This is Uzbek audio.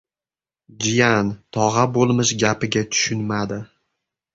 Jiyan, tog‘a bo‘lmish gapiga tushunmadi.